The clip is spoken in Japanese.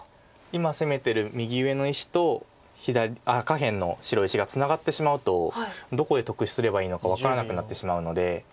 今攻めてる右上の石と下辺の白石がツナがってしまうとどこで得すればいいのか分からなくなってしまうので。